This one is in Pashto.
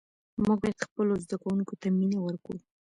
موږ باید خپلو زده کوونکو ته مینه ورکړو.